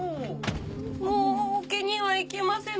もうオケには行けませぬ